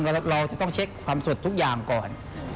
เราจะต้องเช็คความสดทุกอย่างก่อน